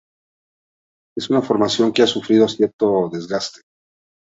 Es una formación que ha sufrido cierto desgaste.